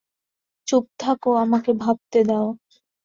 চুপ থাকো, আমাকে ভাবতে দাও।